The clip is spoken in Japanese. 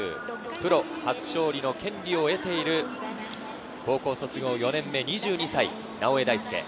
プロ初勝利の権利を得ている高校卒業４年目、２２歳、直江大輔。